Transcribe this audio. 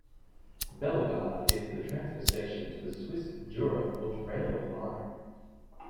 Bellegarde is the transfer station to the Swiss Jura foot railway line.